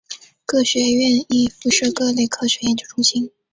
各学院亦附设各类科学研究中心。